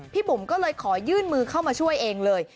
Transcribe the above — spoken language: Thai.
บุ๋มก็เลยขอยื่นมือเข้ามาช่วยเองเลย